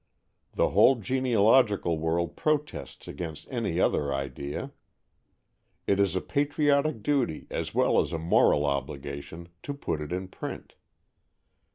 The whole genealogical world protests against any other idea. It is a patriotic duty as well as a moral obligation to put it in print.